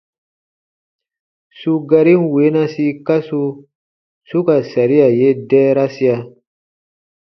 Su garin weenasi kasu su ka saria ye dɛɛrasia :